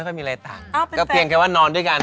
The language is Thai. ไม่มีอะไรต่างก็เพียงแค่ว่านอนด้วยกัน